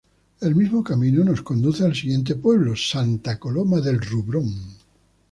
El mismo camino nos conduce al siguiente pueblo, Santa Coloma del Rudrón.